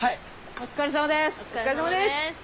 お疲れさまです。